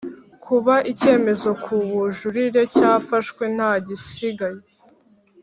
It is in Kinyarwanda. Kuba icyemezo ku bujurire cyafashwe ntagisigaye